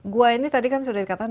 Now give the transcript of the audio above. gua ini tadi kan sudah dikatakan